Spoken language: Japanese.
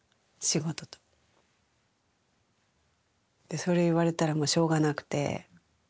でそれ言われたらもうしょうがなくて。